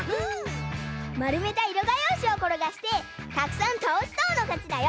まるめたいろがようしをころがしてたくさんたおしたほうのかちだよ。